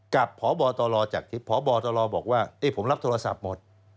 พบตรจากทิพย์พบตรบอกว่าผมรับโทรศัพท์หมด